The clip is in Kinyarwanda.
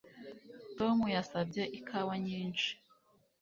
Tom yasabye ikawa nyinshi